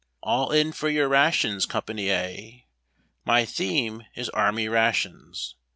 ALL in for your rations, Company A !" My theme is Army Rations.